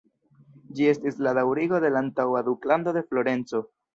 Ĝi estis la daŭrigo de la antaŭa Duklando de Florenco.